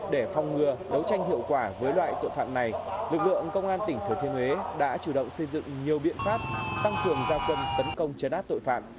để phòng ngừa đấu tranh hiệu quả với loại tội phạm này lực lượng công an tỉnh thừa thiên huế đã chủ động xây dựng nhiều biện pháp tăng cường giao quân tấn công chấn áp tội phạm